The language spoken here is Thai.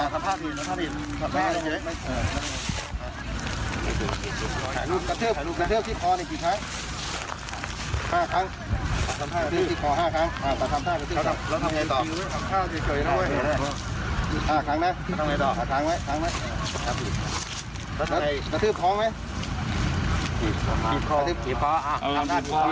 แล้วทำไมจะหลุดเองหรอ